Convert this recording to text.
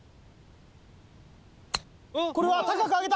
これは高く上げた！